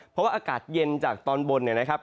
เพราะว่าอากาศเย็นจากตอนบนเนี่ยนะครับ